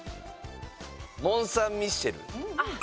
モン・サン・ミッシェル。